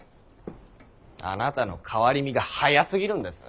あなたの変わり身が早過ぎるんです。